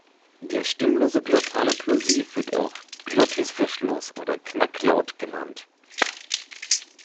Der stimmlose glottale Plosiv wird auch Glottisverschluss oder Knacklaut genannt.